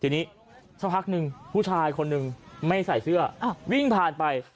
ทีนี้สักพักหนึ่งผู้ชายคนหนึ่งไม่ใส่เสื้อวิ่งผ่านไป